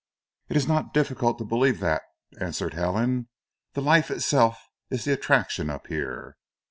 "It is not difficult to believe that," answered Helen. "The life itself is the attraction up here."